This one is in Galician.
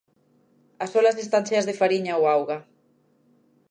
As olas están cheas de fariña ou auga.